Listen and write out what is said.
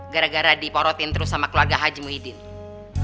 gara gara diporotin terus sama keluarga haji muhyiddin